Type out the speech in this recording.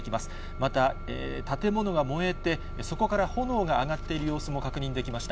また、建物が燃えて、そこから炎が上がっている様子も確認できました。